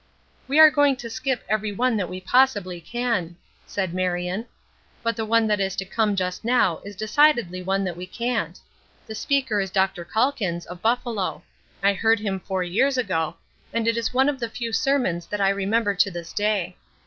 "We are going to skip every one that we possibly can," said Marion. "But the one that is to come just now is decidedly the one that we can't. The speaker is Dr. Calkins, of Buffalo. I heard him four years ago, and it is one of the few sermons that I remember to this day.